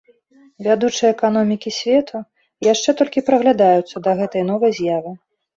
Вядучыя эканомікі свету яшчэ толькі прыглядаюцца да гэтай новай з'явы.